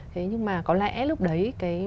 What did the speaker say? thế nhưng mà có lẽ lúc đấy